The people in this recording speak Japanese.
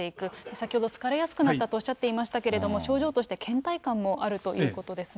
先ほど疲れやすくなったとおっしゃっていましたけれども、症状としてけん怠感もあるということですね。